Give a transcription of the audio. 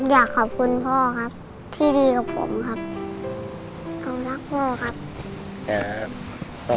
อยากขอบคุณพ่อครับที่ดีกับผมครับ